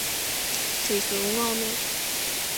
Se isto é un home...